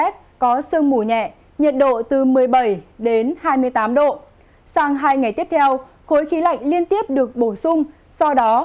khối khí lạnh liên tiếp được bổ sung do đó